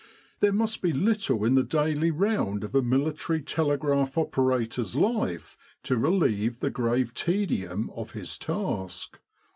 There must be little in the daily round of a military telegraph operator's life to relieve the grave tedium of his task.